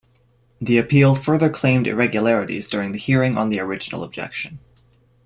The appeal further claimed irregularities during the hearing on the original objection.